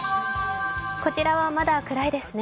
こちらはまだ暗いですね。